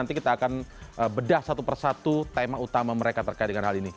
nanti kita akan bedah satu persatu tema utama mereka terkait dengan hal ini